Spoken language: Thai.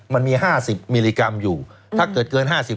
มันมีห้าสิบมิลลิกรัมอยู่ถ้าเกิดเกินห้าสิบ